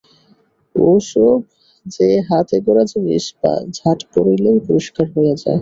ও-সব যে হাতে-গড়া জিনিস, ঝাঁট পড়িলেই পরিষ্কার হইয়া যায়।